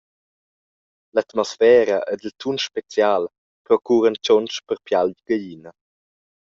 L’atmosfera ed il tun special procuran tgunsch per pial gaglina.